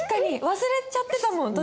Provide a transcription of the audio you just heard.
忘れちゃってたもん途中で。